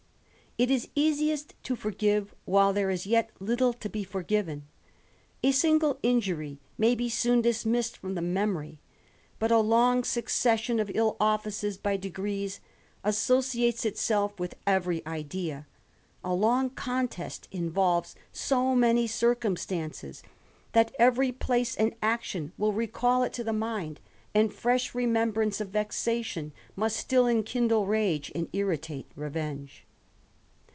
It is easiest to forgive while there is yet little to be forgiven. A single injury may be soon dismissed from the memory; but a long succession of ill offices by degrees associates itself with every idea; a long contest involves so many circumstances, that every place and action will recall it to the mind ; and fresh remembrance of vexation must still enkindle rage, and irritate revenge.